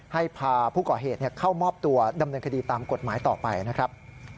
ให้พาผู้ก่อเหตุเข้ามอบตัวดำเนินคดีตามกฎหมายต่อไปนะครับ